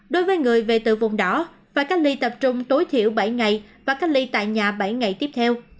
đối với người về từ vùng đỏ và cách ly tập trung tối thiểu bảy ngày và cách ly tại nhà bảy ngày tiếp theo